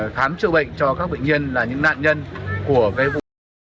khám trự bệnh cho các bệnh nhân là những nạn nhân của vệ vụ